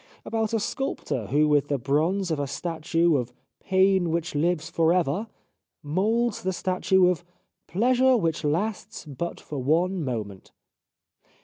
. about a sculptor who with the bronze of a statue of ' Pain Which Lives for Ever ' moulds 290 The Life of Oscar Wilde the statue of ' Pleasure which Lasts but for one Moment.'